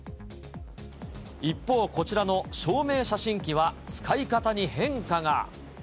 一方、こちらの証明写真機は、使い方に変化が。